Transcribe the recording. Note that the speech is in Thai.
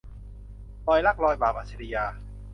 รอยรัก รอยบาป - อัจฉรียา